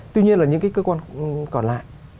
tuy nhiên là những cái cơ quan còn lại